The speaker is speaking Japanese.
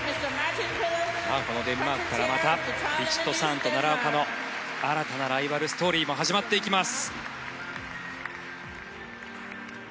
このデンマークからまたヴィチットサーンと奈良岡の新たなライバルストーリーも始まっていきます。